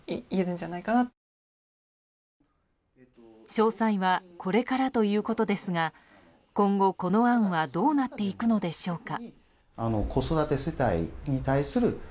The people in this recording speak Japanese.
詳細はこれからということですが今後、この案はどうなっていくのでしょうか。